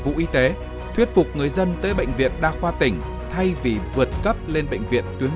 vụ y tế thuyết phục người dân tới bệnh viện đa khoa tỉnh thay vì vượt cấp lên bệnh viện tuyến